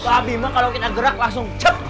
babi mah kalau kita gerak langsung cep